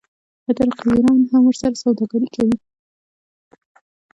حتی رقیبان هم ورسره سوداګري کوي.